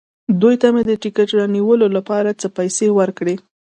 دوی ته مې د ټکټ رانیولو لپاره څه پېسې ورکړې.